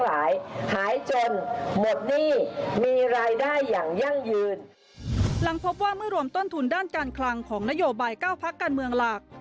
ลังภพว่ามือรวมต้นทุนด้านการคลังของนโยบาย๙ภักดิ์การเมืองหลัก